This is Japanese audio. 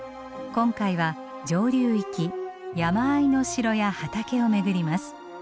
今回は上流域山あいの城や畑を巡ります。